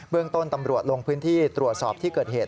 เรื่องต้นตำรวจลงพื้นที่ตรวจสอบที่เกิดเหตุ